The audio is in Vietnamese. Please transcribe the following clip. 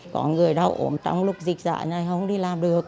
có người đau ổn trong lúc dịch dạ này không đi làm được